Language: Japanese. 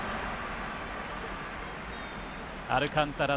アルカンタラ